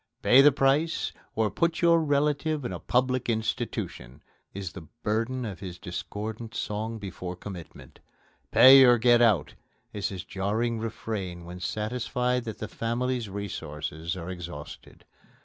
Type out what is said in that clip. "Pay the price or put your relative in a public institution!" is the burden of his discordant song before commitment. "Pay or get out!" is his jarring refrain when satisfied that the family's resources are exhausted.